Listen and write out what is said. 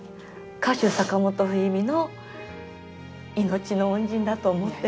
歌手坂本冬美の命の恩人だと思ってます。